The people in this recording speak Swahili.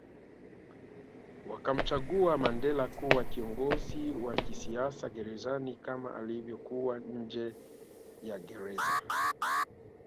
Wakamchagua Mandela kuwa kiongozi wa kisiasa gerezani kama alivyokuwa nje ya Gereza